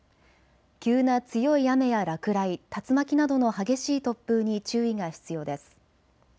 急な強い雨や落雷、竜巻などの激しい突風に注意が必要です。